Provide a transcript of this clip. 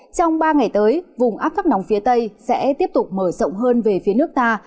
trong ba ngày tới vùng áp thấp nóng phía tây sẽ tiếp tục mở rộng hơn về phía nước ta